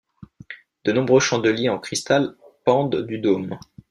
De nombreux chandeliers en cristal pendent du dôme.